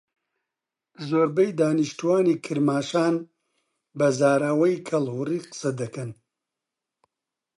زۆربەی دانیشتووانی کرماشان بە زاراوەی کەڵهوڕی قسەدەکەن.